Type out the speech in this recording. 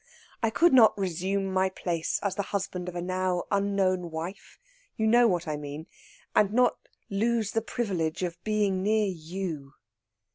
I could not resume my place as the husband of a now unknown wife you know what I mean and not lose the privilege of being near you.